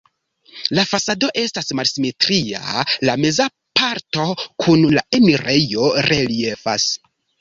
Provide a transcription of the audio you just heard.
La fasado estas malsimetria, la meza parto kun la enirejo reliefas.